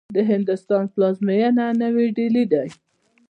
د هندوستان پلازمېنه نوې ډيلې دې.